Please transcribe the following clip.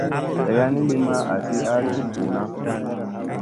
Gaya ni li ma azi a tut huna.